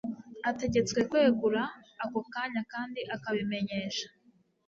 ategetswe kwegura ako kanya kandi akabimenyesha